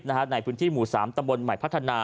ในพื้นที่หมู่๓ตำบลใหม่พัฒนา